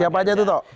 siapa saja itu